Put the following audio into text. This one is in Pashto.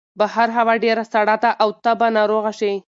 بهر هوا ډېره سړه ده او ته به ناروغه شې.